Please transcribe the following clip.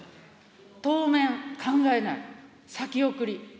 当面、考えない、先送り。